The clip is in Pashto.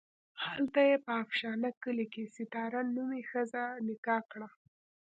هلته یې په افشنه کلي کې ستاره نومې ښځه نکاح کړه.